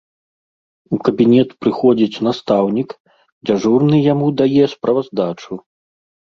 У кабінет прыходзіць настаўнік, дзяжурны яму дае справаздачу.